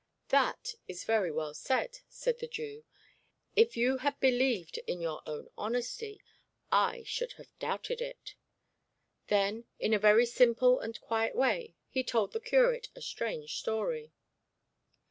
'That is very well said,' said the Jew. 'If you had believed in your own honesty, I should have doubted it.' Then, in a very simple and quiet way, he told the curate a strange story.